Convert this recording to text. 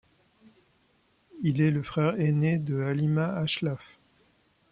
Il est le frère ainé de Halima Hachlaf.